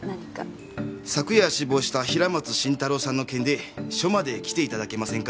昨夜死亡した平松伸太郎さんの件で署まで来ていただけませんか？